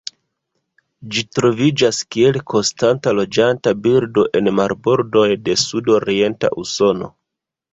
Ĝi troviĝas kiel konstanta loĝanta birdo en marbordoj de sudorienta Usono.